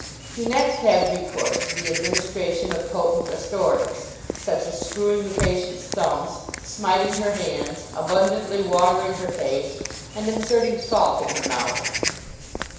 He next had recourse to the administration of potent restoratives, such as screwing the patient's thumbs, smiting her hands, abundantly watering her face, and inserting salt in her mouth.